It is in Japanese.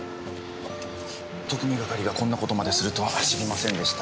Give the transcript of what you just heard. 特命係がこんな事までするとは知りませんでした。